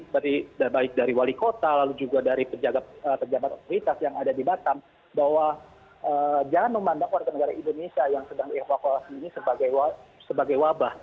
dari baik dari wali kota lalu juga dari pejabat otoritas yang ada di batam bahwa jangan memandang warga negara indonesia yang sedang dievakuasi ini sebagai wabah